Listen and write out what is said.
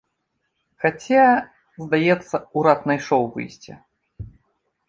Хаця, здаецца, урад знайшоў выйсце.